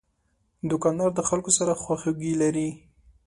دوکاندار د خلکو سره خواخوږي لري.